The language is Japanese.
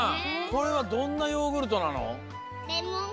これはどんなヨーグルトなの？